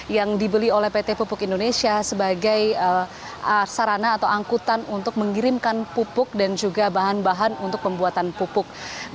yang dibeli oleh pt pupuk indonesia sebagai sarana atau angkutan untuk mengirimkan pupuk dan juga bahan bahan untuk pembuatan pupuk